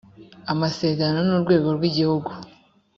amasezerano n urwego rw igihugu